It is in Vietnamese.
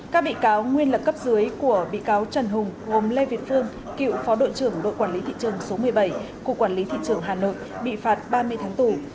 các bị cáo nguyên là cấp dưới của bị cáo trần hùng gồm lê việt phương cựu phó đội trưởng đội quản lý thị trường số một mươi bảy cục quản lý thị trường hà nội bị phạt ba mươi tháng tù